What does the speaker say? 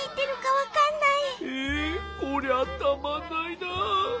えこりゃたまんないなぁ。